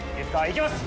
いきます。